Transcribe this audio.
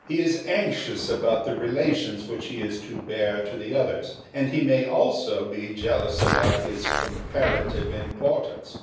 He is anxious about the relations which he is to bear to the others, and he may also be jealous about his comparative importance.